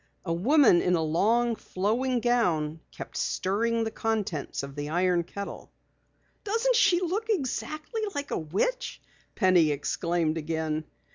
A woman in a long, flowing gown kept stirring the contents of the iron kettle. "Doesn't she look exactly like a witch!" Penny exclaimed again.